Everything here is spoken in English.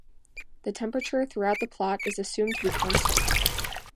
The temperature throughout the plot is assumed to be constant.